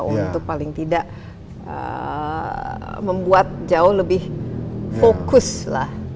untuk paling tidak membuat jauh lebih fokus lah